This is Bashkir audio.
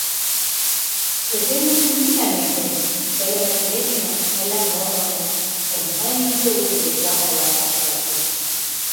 Һеҙҙең өсөн нимә мөһим: сәләмәтлекме, әллә модамы — быныһын инде үҙегеҙгә һайларға тура килә.